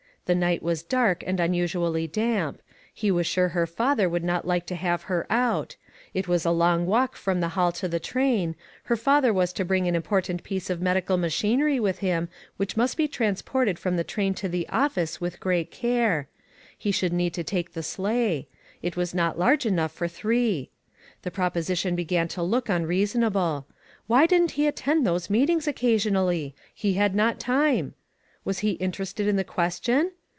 The night was dark, and unusually damp ; he was sure her father would not like to have her out. It was a long walk from the hall to the train ; her father was to bring an important piece of medical machinery with him, which must be transported from the train to the office "WHERE IS JOHN?" 473 with great care. He should need to take the sleigh; it was not large enough for three. The proposition began to look un reasonable. Why didn't he attend those meetings occasionally ? He had not time. Was he interested in the question